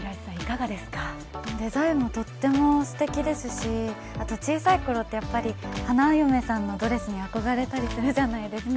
デザインもとってもすてきですし、あと、小さいころって花嫁さんのドレスに憧れたりするじゃないですか。